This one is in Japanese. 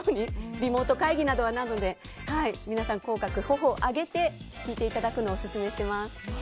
リモート会議など皆さん頬、口角を上げて聞いていただくのをおススメします。